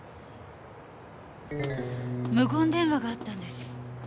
無言電話があったんです。